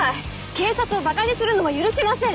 警察を馬鹿にするのも許せません。